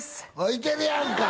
いてるやんか！